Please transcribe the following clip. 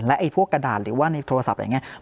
ไอ้พวกกระดาษหรือว่าในโทรศัพท์อะไรอย่างนี้